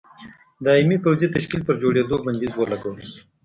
دایمي پوځي تشکیل پر جوړېدو بندیز ولګول شو.